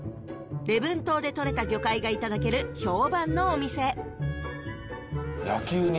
礼文島で捕れた魚介がいただける評判のお店「焼きうに」